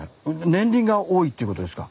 年輪が多いっていうことですか？